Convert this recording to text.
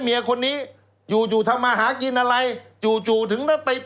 เหมียคนนี้จู่พามาฮากินอะไรจู่ถึงเราไป